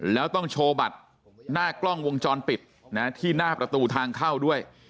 แล้วต้องโชว์บัตรหน้ากล้องวงจรปิดที่หน้าประตูทางเข้าด้วย